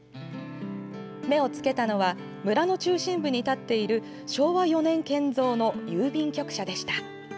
目を付けたのは村の中心部に立っている昭和４年建造の郵便局舎でした。